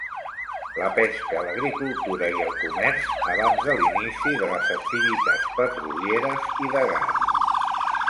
La pesca, l'agricultura i el comerç abans de l'inici de les activitats petrolieres i de gas.